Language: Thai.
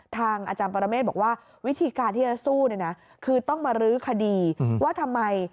อาจารย์ปรเมฆบอกว่าวิธีการที่จะสู้เนี่ยนะคือต้องมารื้อคดีว่าทำไม